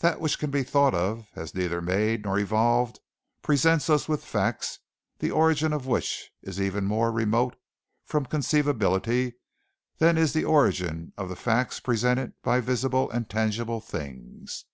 That which can be thought of as neither made nor evolved presents us with facts the origin of which is even more remote from conceivability than is the origin of the facts presented by visible and tangible things....